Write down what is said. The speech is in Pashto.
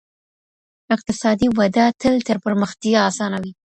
اقتصادي وده تل تر پرمختيا اسانه وي.